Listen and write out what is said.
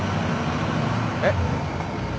えっ？